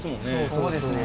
そうですね。